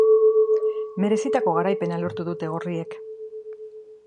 Merezitako garaipena lortu dute gorriek.